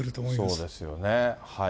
そうですよね。